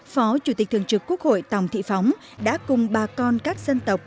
phó chủ tịch thường trực quốc hội tòng thị phóng đã cùng bà con các dân tộc